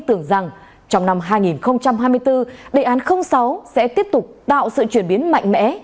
tưởng rằng trong năm hai nghìn hai mươi bốn đề án sáu sẽ tiếp tục tạo sự chuyển biến mạnh mẽ